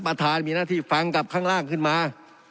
ประธานมีหน้าที่ฟังกับข้างล่างขึ้นมา